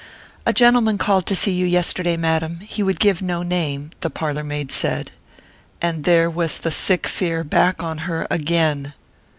"A gentleman called to see you yesterday, madam he would give no name," the parlour maid said. And there was the sick fear back on her again!